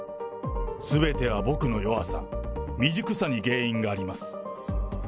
すべては僕の弱さ、未熟さに原因があります。